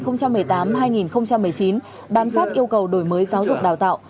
năm hai nghìn một mươi tám hai nghìn một mươi chín bám sát yêu cầu đổi mới giáo dục đào tạo